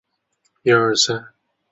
对讲机是此类通信方式的例子之一。